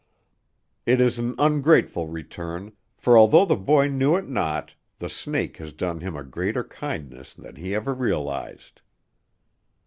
It is an ungrateful return, for although the boy knew it not, the snake has done him a greater kindness than he ever realized.